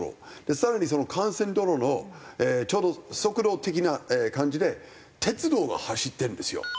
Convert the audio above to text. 更にその幹線道路のちょうど側路的な感じで鉄道が走ってるんですよ。